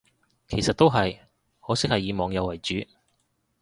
其實都係，可惜係以網友為主